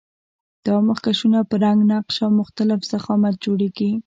دا مخکشونه په رنګ، نقش او مختلف ضخامت جوړیږي.